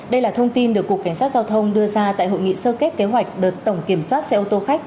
đây là thông tin được cục cảnh sát giao thông đưa ra tại hội nghị sơ kết kế hoạch đợt tổng kiểm soát xe ô tô khách